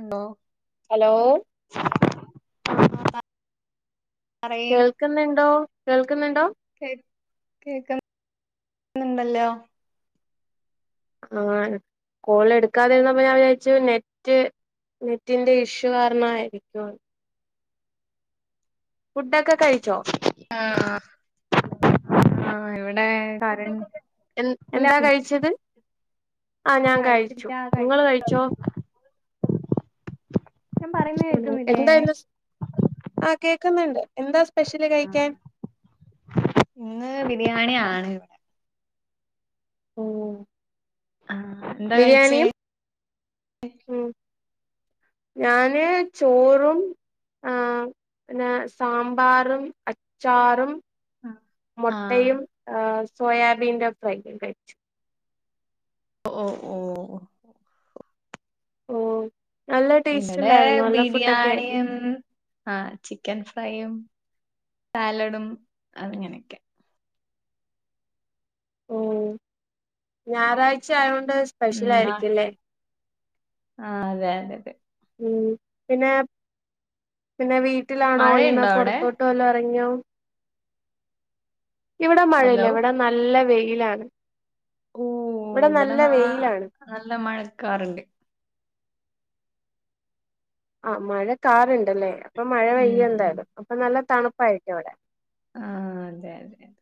ണ്ടോ ഹലോ ആഹ് കേൾക്കുന്നുണ്ടോ കേൾക്കുന്നുണ്ടോ കേ കേക്കണ്ടല്ലോ ആഹ് കോള് എടുക്കാതിരുന്നപ്പോ ഞാൻ വിചാരിച്ചു നെറ്റ് നെറ്റിന്റെ ഇഷ്യൂ കാരണമായിരിക്കും ന്ന് ഫുഡൊക്കെ കഴിച്ചോ ആഹ് ആഹ് ഇവിടെ കരണ്ട് എൻ എന്താ കഴിച്ചത് ആഹ് ഞാൻ കഴിച്ചു കഴിച്ചില്ല നിങ്ങൾ കഴിക്കണം കഴിച്ചോ ഞാൻ പറയുന്ന കേക്കുന്നില്ലേ എന്താ ആ കേക്കുന്നുണ്ട് എന്താ സ്പെഷ്യല് ആഹ് കഴിക്കാൻ ഇന്ന് ബിരിയാണി ആണ് ഇവിടെ ഉം ആഹ് എന്താ കഴിച്ചേ ബിരിയാണിയും ഉം [inaudible] ഞാന് ചോറും ആ ഹ്പിന്നെ സാമ്പാറും അച്ചാറും ആഹ് മൊട്ടയും ഏഹ് സോയാബീന്റെ ഫ്രൈയും കൈച്ചു. ഓ ഓ ഓ ഓ ഓ നല്ല ടേസ്റ്റ് ഇവിടെ ഉണ്ടായിരുന്നു നല്ല ഫുഡൊക്കെ ആയിരുന്നു ബിരിയാണിയും ആഹ് ചിക്കൻ ഫ്രൈയും സാലഡും അങ്ങനെയൊക്കെ ഉം ഞായറാഴ്ച ആയകൊണ്ട് സ്പെഷ്യൽ ഉം ആയിരിക്കുംല്ലേ ആഹ് അതെ അതെ അതെ ഉം പിന്നെ പിന്നെ വീട്ടിലാണോ ഇന്ന് മഴയുണ്ടോ പൊ അവിടെ റത്തോട്ട് വല്ലോ ഇറങ്ങിയോ ഇവിടെ മഴയില്ല ഹലോ ഇവിടെ നല്ല വെയിലാണ് ഓഹ് ഇവിടെ നല്ല നാ വെയിലാണ് നല്ല മഴക്കാറുണ്ട് ആ മഴ കാറുണ്ടല്ലേ അപ്പൊ മഴ ഉം പെയ്യ ഉം എന്തായാലും അപ്പൊ നല്ല തണുപ്പായിരിക്കും അവിടെ ആ അതെ അതെ അതെ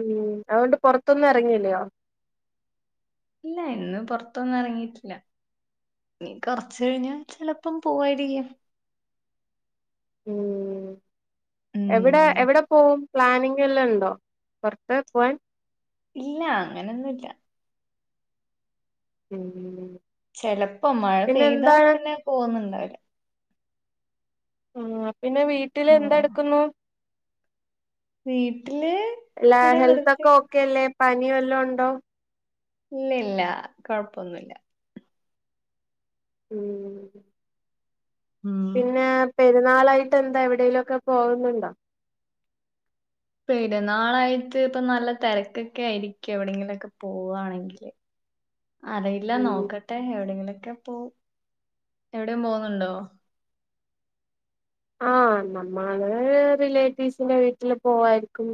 ഉം അതുകൊണ്ട് പുറത്തൊന്നും ഇറങ്ങിയല്ലയോ ഇല്ല ഇന്ന് പൊറത്തൊന്നും ഇറങ്ങിയിട്ടില്ല ഇനീ കൊറച്ച് കഴിഞ്ഞാൽ ചിലപ്പം പോവായിരിക്കും ഉം എവിടെ ഉം എവിടെ പോവും പ്ലാനിങ് എല്ലാം ഉണ്ടോ പുറത്ത് പോവാൻ ഇല്ല അങ്ങനെയൊന്നുല്ല ഉം ചെലപ്പോ മഴ പിന്നെ പെയ്താ എന്താണ് പിന്നെ പോകുന്നുണ്ടാവില്ല ആഹ് പിന്നെ വീട്ടില് എന്ത ആഹ് ടുക്കുന്നു വീട്ടില് അല്ല ഇവിടെ വെറുതെ ഹെൽത്തൊക്കെ ഇരി ഓക്കെ അല്ലേ പനിവല്ലൊ ഉണ്ടോ ഇല്ല ഇല്ല കൊഴപ്പൊന്നുല്ല ഉംഹ് ഉം പിന്നെ പെരുന്നാളായിട്ട് എന്താ എവിടെേലുംക്കെ പോകുന്നുണ്ടോ പെരുന്നാളായിട്ട് ഇപ്പൊ നല്ല തിരക്കൊക്കെ ആയിരിക്കും എവിടെെങ്കിലുംക്കെ പോവായാണെങ്കില് അറിയില്ല ഉം നോക്കട്ടെ എവിടെയെങ്കിലൊക്കെ പോവും എവിടെ പോകുന്നുണ്ടോ ആഹ് നമ്മള് റിലേറ്റീവ്സിന്റെ വീട്ടില് പോവായിരിക്കും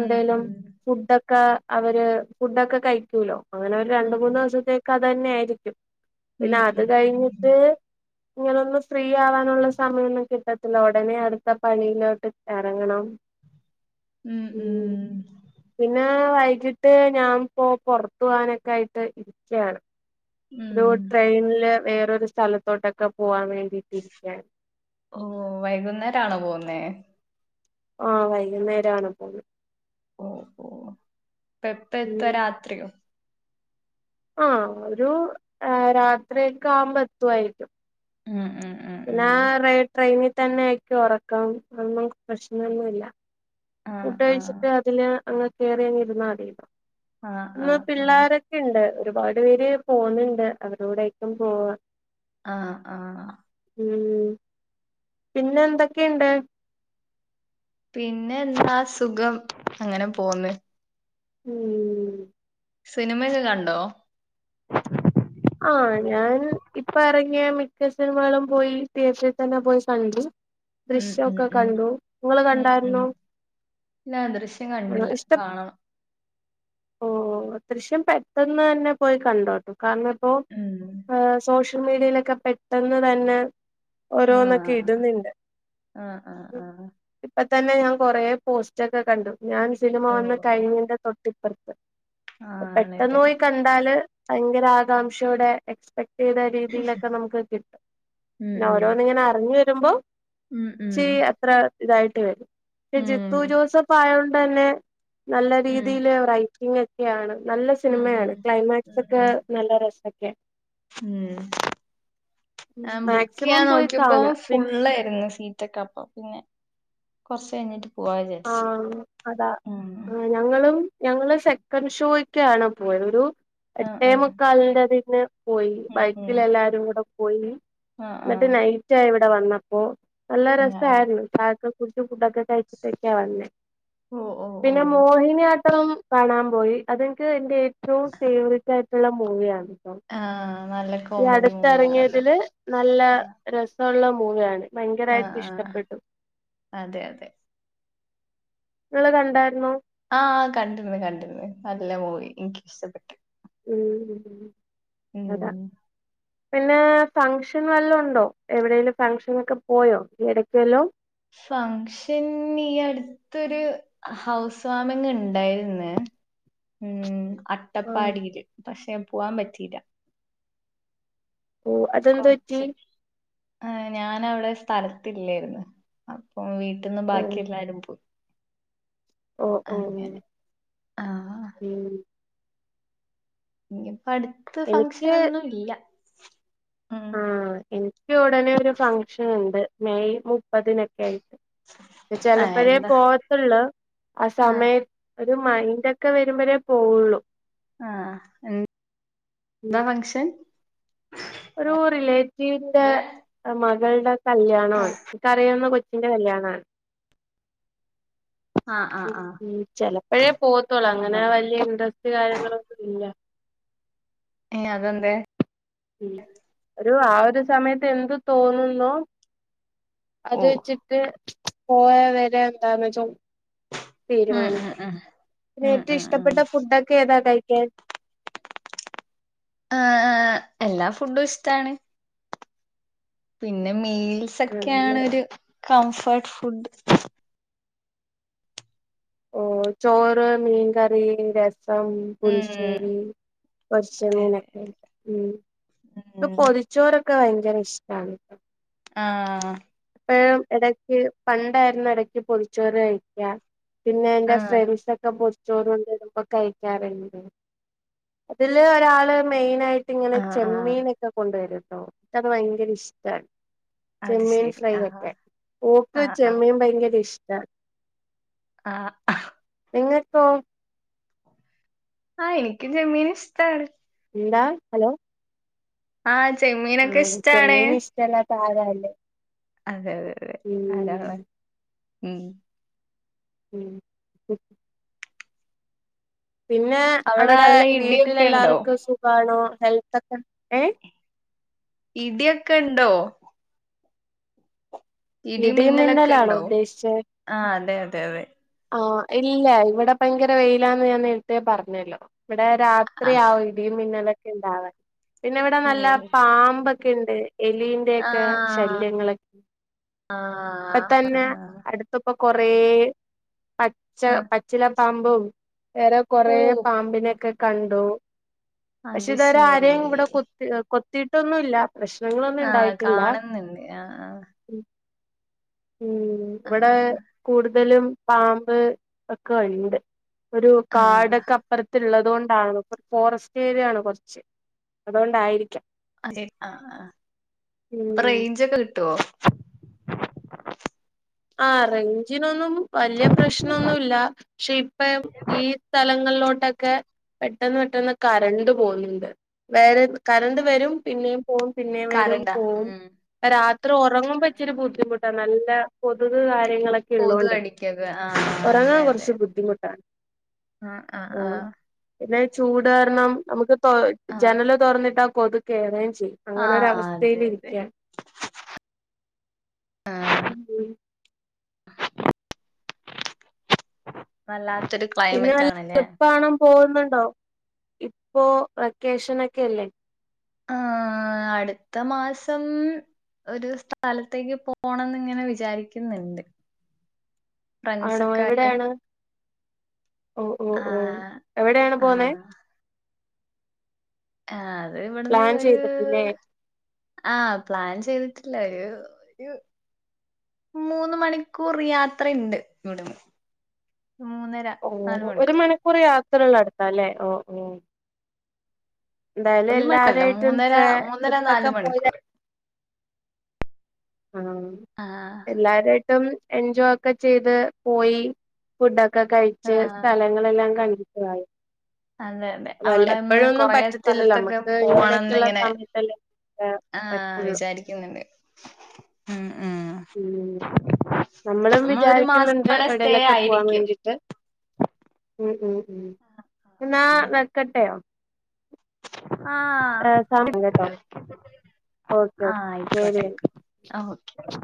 ഉം ഉം ഫുഡൊക്കെ അവര് ഫുഡൊക്കെ കഴിക്കൂലോ അങ്ങനെ ഒരു രണ്ട ഉം മൂന്ന് ദിവസത്തേക്ക് അത് തന്നെ ആയിരിക്കും ഉം പിന്നെ അത് ഉം ഉം കഴിഞ്ഞിട്ട് ഇങ്ങളൊന്ന് ഫ്രീ ആവാനുള്ള സമയ കിട്ടത്തില്ല. ഒടനെ അടുത്ത പണിയിലോട്ട് എറങ്ങണം. ഉം പിന്നാ വൈകിട്ട് ഞാൻ പൊ പൊറത്തു പോകാനൊക്കെ ആയിട്ട് ഇരിക്കയാണ്. ഒരു ഉം ട്രെയിനില് വേറൊരു സ്ഥലത്തോട്ടൊക്കെ പോകാൻ വേണ്ടിട്ടിരിക്കുകയാണ്. ഓഹ് വൈകുന്നേരാണൊ പോകുന്നേ? ആഹ് വൈകുന്നേരാണ് പോകുന്നെ. ഓഹ് ഓഹ് അപ്പ എപ്പ എത്ത ഉം രാത്രിയോ? ആഹ് ഒരു രാത്രിയൊക്കെ ആവുമ്പ എത്തുമായിരിക്കും. ഉം ഉം ഉം പിന്നാ ഉം ആ റെ ട്രെയിനിൽ തന്നെ ആയിരിക്കും ഒറക്കം. അതൊന്നും കൊ പ്രശ്നൊന്നുല്ല. ആഹ് ഫുഡ് ആഹ് കഴിച്ചിട്ട് അതില് അങ്ങ് കേറിയങ് ഇരുന്നാതി. ആഹ് പിള്ളാരൊക്കെണ്ട് ഒരുപാട് പേര് പോവുന്നുണ്ട്. അവരുടെ കൂടെയായിരിക്കും പോവാ. ആഹ് ആഹ് ഉം പിന്നെന്തൊക്കെണ്ട്? പിന്നെ എന്താ സുഖം അങ്ങനെ പോവ്ന്ന്. ഉം സിനിമയൊക്കെ കണ്ടോ? ആഹ് ഞാൻ ഇപ്പ എറങ്ങിയ മിക്ക സിനിമകളും പോയി തിയേറ്ററി തന്നെ പോയി കണ്ടു. ഉം ഉം ദൃശ്യോക്കെ ഉം കണ്ടു. നിങ്ങള് ഉം ഉം കണ്ടായിര്ന്നോ? ഇല്ല ദൃശ് ആണ ഇഷ്ട്ട ഓഹ് ദൃശ്യം പെട്ടെന്ന് തന്നെ പോയി കണ്ടോട്ടോ. കാരണം ഇപ്പോ ഉം ആഹ് സോഷ്യൽ മീഡിയയിലൊക്കെ പെട്ടെന്ന് തന്നെ ഓരോന്നൊക്കെ ആഹ് ഇടിന്ന്ണ്ട്. ആഹ് ആഹ് ആഹ് ഇപ്പത്തന്നെ ഞാൻ കൊറേ പോസ്റ്റൊക്കെ കണ്ടു. ഞാൻ സിനിമ ഓ വന്ന് കഴിഞ്ഞിന്റെ തൊട്ട് പ്പറത്ത് പെട്ടെന്ന് ആണല്ലേ പോയി കണ്ടാല് ഭയങ്കര ആകാംക്ഷടെ എക്സ്പെക്ട് ഏത രീതിയിലൊക്കെ നമുക്ക് കിട്ടും. ഉം പിന്നെ ഉം ഓരോന്നിങ്ങനെ അറിഞ്ഞു വരുമ്പോ ഉം ശേ ഉം അത്ര ഇതായിട്ട് വരും. പക്ഷെ ജിത്തു ഉം ജോസഫ് ആയുതുകൊണ്ട് തന്നെ നല്ല ഉം രീതീല് റൈറ്റിങ് ഒക്കെയാണ്. നല്ല സ്‌ ഉം ഉം സിനിമയാണ് ഉം ക്ലൈമാക്സക്കെ ഉം നല്ല രസക്കെ. ഉം ആഹ് മാക്സിമം ബുക്കെയ്യാൻ പോയി നോക്കിയപ്പോ കാണാ പിൻ ഫുള്ളായിരുന്നു സീറ്റക്കെ അപ്പം. പിന്നെ കൊറച്ച് കഴിഞ്ഞിട്ട് പോവാ വിചാരിച്ചു ആഹ് ഉം അതാ ഉം ഞങ്ങളും ഞങ്ങള് സെക്കൻ്ഷോക്കാണ് പോയത്. ഒരു ആഹ് എട്ടേ ആഹ് മുക്കാൽന്റെ അതിന്ന് പോയി ഉം ബൈക്കിൽ ഉം എല്ലാരും കൂടെ പോയി. ആഹ് എന്നിട്ട് ആഹ് നൈറ്റായി ഇവിടെ വന്നപ്പോ. നല്ല ആഹ് രസായിരുന്നു. കാലത്തെ ഫുഡും ഫുഡൊക്കെ കഴിച്ചിട്ടൊക്കെ വന്നെ. ഓഹ് ഓഹ് പിന്നെ ഓഹ് മോഹിനിയാട്ടം കാണാൻ പോയി. അതെനിക്ക് എന്റെ ഏറ്റവും ഫേവറിറ്റ് ആയിട്ടുള്ള മൂവിയാണ്. ആഹ് നല്ല ഈ കോമഡി മൂവിയാണല്ലോ അടുത്തിറങ്ങിയതില് നല്ല ആഹ് രസൊള്ള മൂവിയാണ്. ആഹ് ഭയങ്കരായിട്ട് ആഹ് ഇഷ്ടപ്പെട്ടു അതെ അതെ നിങ്ങള് കണ്ടായിരുന്നൊ? ആ കണ്ടിര്ന്ന് കണ്ടിര്ന്ന് നല്ല മൂവി ഇൻക്കി ഇഷ്ടപ്പെട്ട് ഉം ഉം ഉം അതാ ഉം പിന്നെ ഫങ്ങ്ഷൻ വല്ലോം ഉണ്ടോ എവ്ടേലും ഫങ്ങ്ഷനൊക്കെ പോയോ ഈ ഇടയ്ക്ക് വല്ലോം ഫങ്ങ്ഷൻ ഈ അടുത്ത് അട്ത്തൊരു ഹൗസ് വാമിങ്ങ് ണ്ടായിര്ന്ന് ഉം അട്ട് ആഹ് അട്ടപ്പാടീല് പക്ഷെ പുവാൻ പറ്റിയില്ല ഓ അതെന്ത് പറ്റി കൊർച്ച് ആ ഞനവ്ടെ സ്ഥലത്തില്ലേര്ന്ന് അപ്പോം വീട്ട്ന്ന് ഓ ബാക്കി എല്ലാരും പോയ് ഓ ഓ അങ്ങനെ ആ ഉം ഇഞ്ഞി പ്പട്ത്ത് എനിക്ക് ഫംങ്ങ്ഷനൊന്നും ഇല്ല ഉം ആ എൻക്ക് ഉടനെ ഒരു ഫങ്ങ്ഷൻ ഉണ്ട് മെയ് മുപ്പതിനൊക്കെ ആയിട്ട് പ ആഹ് ചെലപ്പഴേ എന്താ പോകത്തൊള്ളൂ ആ ആഹ് സമയത്ത് ഒരു മൈന്റക്കെ വരുമ്പഴേ പോവുള്ളു ആ എ എന്താ ഫംങ്ങ്ഷൻ ഒരു റിലേറ്റീവിന്റെ മകൾടെ കല്യാണമാണ് ആഹ് എനിക്കറിയാവുന്ന കൊച്ചിന്റെ കല്യാണമാണ് ആഹ് ആഹ് ആഹ് ഉം ചെലപ്പഴേ പോവത്തൊള്ളൂ ആഹ് അങ്ങനെ ആഹ് വല്യ ഇൻട്രസ്റ്റ് കാര്യങ്ങളൊന്നും ഇല്ല അതെന്തേ ഉം ഒരു ആ ഒരു സമയത്ത് എന്ത് തോന്നുന്നോ അത് ഓഹ് വെച്ച്ട്ട് ക്ക് പോയ വരെ എന്താന്ന് വെച്ചോ ഉം ഉം തീരുമാനിക്കാം ഉം പിന്നെ ഉം ഏറ്റവും ഉം ഉം ഇഷ്ടപ്പെട്ട ഫുഡൊക്കെ ഏതാ കഴിക്കാൻ ആ ആ ആ എല്ലാ ഫുഡും ഇഷ്ട്ടാണ് പിന്നെ മീൽസ് ഒക്കെയാണ് ആണല്ലേ ഒരു കംഫർട്ട് ഫുഡ് ഓ ചോറ് മീൻകറി രസം ഉം പുളിശ്ശേരി പൊര്ച്ച അതെ അതെ മീനെക്കെ അതെ ഉം ഇക്ക് ഉം പൊതിച്ചോറൊക്കെ ഭയങ്കര ഇഷ്ട്ടാണ് ആഹ് എപ്പഴും എടയ്ക്ക് പണ്ടായ്ര്ന്ന എടക്ക് പൊതിച്ചോറ് കഴിക്കാ പിന്നെ എന്റെ ആഹ് ഫ്രണ്ട്സ് ഒക്കെ പൊതി ച്ചോറ് കൊണ്ടരുമ്പോ കഴിക്കാറ്ണ്ട് ഇതില് ഒരാള് മൈനായി ഇങ്ങനെ ആഹ് ആഹ് ചെമ്മീനൊക്കെ കൊണ്ട് വരെല്ലോ ഇച്ചത് ഭയങ്കര ഇഷ്ട്ടാണ് അത് ചെമ്മീൻ ശരി ഫ്രൈ ആഹ് ഒക്കെ ഓക്ക് ആഹ് ആഹ് ചെമ്മീൻ ഭയങ്കര ഇഷ്ട്ടാണ് ആഹ് ആഹ് നിങ്ങക്കോ ആ എനിയ്ക്കും ചെമ്മീൻ ഇഷ്ട്ടാണ് എന്താ ഹലോ ആ ചെമ്മീനൊക്കെ ഇഷ്ട്ടാണ് ഇഷ്ട്ടല്ലാത്ത ആരാള്ളേ അതെ അതെ അതെ ആരാള്ളേ ഉം ഉം ഉം പിന്നെ അവിടെ അവ്ടെ നല്ല വീട്ടിൽ ഇടിയൊക്കെ ഉണ്ടോ എല്ലാവർക്കും സുഖാണോ ഹെൽത്തൊക്കെ ഏ ഇ ടി യൊക്കെ ഉണ്ടോ ഇടിമിന്നലൊക്കെ ഇടിമിന്നലാണോ ഉണ്ടോ ഉദ്ദേശിച്ചേ ആ അതെ അതെ അതെ ആ ഇല്ലല്ല ഇവടെ ഭയങ്കര വെയിലാന്ന് ഞാൻ നേരത്തേ പറഞ്ഞല്ലോ ഇവടെ ആഹ് രാത്രിയാവ ഇടിയും മിന്നലും ഒക്കെ ഉണ്ടാവാൻ പിന്നെ ഇവിടെ ഓ നല്ല പാമ്പൊക്കെ ഉണ്ട് എലി [unintelligible] ആഹ് ശല്യങ്ങള് ഇപ്പൊ ആഹ് തന്നെ ആഹ് അടുത്തൊക്കെ കുറേ പച്ച ആഹ് പച്ചില പാമ്പും വേറെ ഓ കുറെ പാമ്പിനൊക്കെ കണ്ടു പക്ഷെ അത് ഇതുവരെ ശരി ആരെയും ഇവിടെ കൊത്തി കൊത്തിട്ടൊന്നും ഇല്ല പ്രശ്നങ്ങള ആഹ് കാണുന്നുണ്ട് ആഹ് ആഹ് ഉം ഇവിടെ ആഹ് കൂടുതലും പാമ്പ് ഒക്കെ ഉണ്ട് ഒരു ആഹ് ആഹ് കാടൊക്കെ അപ്പറത്ത് ഇള്ളതോണ്ടാണ് ഫോറസ്റ്റ് ഏരിയാണ് കുറച്ച് അതുകൊണ്ടായിരിക്കാം. അതെ ആഹ് ആഹ് അപ്പൊ ഉം റെയ്ഞ്ചൊക്കെ കിട്ടോ? ആഹ് റെയ്ഞ്ചിനൊന്നും. വല്യ പ്രശ്നൊന്നുല്ല പക്ഷെ ഇപ്പം ഈ സ്ഥലങ്ങളിലോട്ടൊക്കെ. പെട്ടെന്ന് പെട്ടെന്ന് കറണ്ട് പോന്നുണ്ട്. വേറെ കറണ്ട് വരും പിന്നേം പോവും പിന്നേം വരും കറണ്ടാ പോവും. ഉം രാത്രി ഉറങ്ങുമ്പോ ആഹ് ഇച്ചിരി ആഹ് ബുദ്ധിമുട്ടാ നല്ല കൊതുക് കാര്യങ്ങളെ. കൊതു ള്ളോണ്ടേ കടിക്കത് ആഹ് ഉറങ്ങാൻ അതെ അതെ കുറച്ച് ബുദ്ധിമുട്ടാണ്. ആഹ് ആഹ് ആ ആഹ്. പിന്നെ ചൂട് കാരണം നമ്മുക്ക് തൊ ആഹ് ജനല് തൊറന്നിട്ടാ കൊതുക് കേറിയും ചെയ്യും. അങ്ങനൊരു ആഹ് അവസ്ഥയിൽ അതെ അതെ ഇരിക്കാണ്. ആഹ് [unintelligible] വല്ലാത്തൊരു. പിന്നെ ക്ലൈമറ്റ് വല്ല ആണല്ലേ ട്രിപ്പാണം പോവുന്നുണ്ടോ ഇപ്പോ വെക്കേഷൻ ഒക്കെയല്ലേ? ആഹ് അടുത്ത മാസം. ഒരു സ്ഥലത്തേക്ക് പോണന്ന് ഇങ്ങനെ വിചാരിക്കുന്നുണ്ട്. ആണോ ഫ്രണ്ട്സൊക്കെ എവിടേ ആയിട്ട് ആണ്? ഓ ഓ ഓ ആഹ് എവിടെയാണ് പോന്നേ? ആഹ് ആഹ് അത് ഇവിട്ന്ന് പ്ലാൻ ഒരു. ചെയ്തിട്ടില്ലേ ആഹ് പ്ലാൻ ചെയ്തിട്ടില്ല ഒരു ഒരു. മൂന്ന് മണിക്കൂർ യാത്രയുണ്ട് ഇവിട്ന്ന് മൂന്നര. ഓ ഒരു മണിക്കൂർ യാത്ര ഉള്ള അടുത്താല്ലേ ഓ ഓ എന്തായാലും ഒരു എല്ലാവാരും മണിക്കൂറല്ല ആയിട്ടും [unintelligible] മൂന്നര മൂന്നര ട്രിപ്പ് ഒക്കെ നാല് പോയി മണിക്കൂർ ആഹ് ആഹ് എല്ലാരായിട്ടും എൻജോയ് ഒക്കെ ചെയ്ത് പോയി ഫുഡൊക്കെ കഴിച്ച് ആഹ് സ്ഥലങ്ങളെല്ലാം കണ്ടിട്ടു ആയി അതെ അതെ അവിടെന്ന് കുറേ സ്ഥലത്തൊക്കെ നമുക്ക് പോകണന്ന് ഇങ്ങനെയൊക്കെയുള്ള ഇങ്ങനെ സമയത്തല്ലേ ഏ ആഹ് പറ്റുള്ളൂ വിചാരിക്കുന്നുണ്ട് ഉം ഉം ഉം നമ്മളും നമ്മളൊരു മാസം വിചാരിക്കുന്നുണ്ട് അവിടെ സ്റ്റേ എവിടേങ്കിലൊക്കെ പോവാൻ ആയിരിക്കും വേണ്ടിട്ട് ഉം ഉം ഉം എന്നാ വെക്കട്ടെയോ ആഹ് ഏ സമയം ഓക്കേ കേട്ടോ ഓക്കേ ഓക്കെ ആഹ് ഓക്കെ ശരി ആയിക്കോട്ടെയിക്കോട്ടെ ആഹ് ഓക്കെ